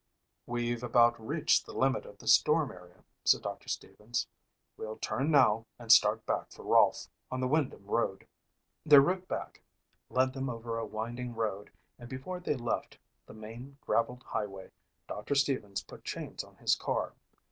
"We've about reached the limit of the storm area," said Doctor Stevens. "We'll turn now and start back for Rolfe on the Windham road." Their route back led them over a winding road and before they left the main graveled highway Doctor Stevens put chains on his car.